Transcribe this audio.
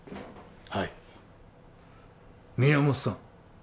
はい宮本さん